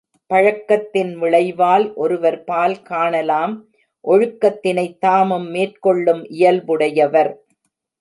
பழக்கத்தின் விளைவால், ஒருவர் பால் காணலாம் ஒழுக்கத்தினைத் தாமும் மேற்கொள்ளும் இயல்புடையவர்.